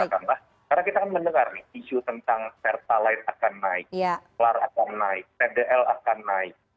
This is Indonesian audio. karena kita mendengar isu tentang sertalite akan naik klar akan naik tdl akan naik